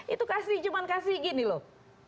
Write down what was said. itu cuma kasih gini loh